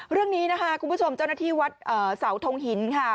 เรื่องนี้นะคะคุณผู้ชมเจ้าหน้าที่วัดเสาทงหินค่ะ